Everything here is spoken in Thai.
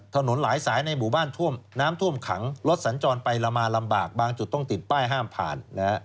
ถนนหลายสายในหมู่บ้านท่วมน้ำท่วมขังรถสัญจรไปละมาลำบากบางจุดต้องติดป้ายห้ามผ่านนะฮะ